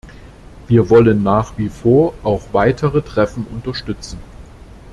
Wir wollen nach wie vor auch weitere Treffen unterstützen.